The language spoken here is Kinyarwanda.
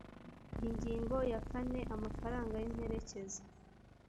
ingingo ya kane amafaranga y imperekeza